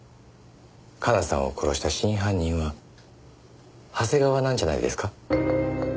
香奈さんを殺した真犯人は長谷川なんじゃないですか？